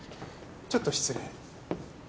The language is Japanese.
ちょっと失礼。